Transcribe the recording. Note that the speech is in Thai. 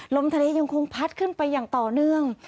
ลมทะเลยังคงพัดขึ้นไปอย่างต่อเนื่อง